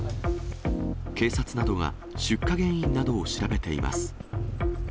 警察などが出火原因などを調べています。